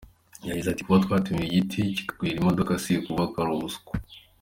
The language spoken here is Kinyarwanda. Yagize ati : “Kuba twatemye igiti kikagwira imodoka si ukuvuga ko ari ubuswa.